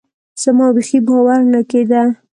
زما بيخي باور نه کېده.